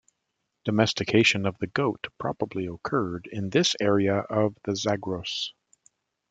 Domestication of the goat probably occurred first in this area of the Zagros.